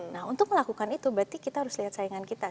nah untuk melakukan itu berarti kita harus lihat saingan kita